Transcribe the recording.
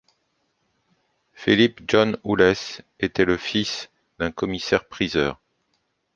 Philip John Ouless était le fils d'un commissaire-priseur.